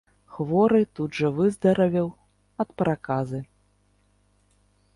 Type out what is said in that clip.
Хворы тут жа выздаравеў ад праказы.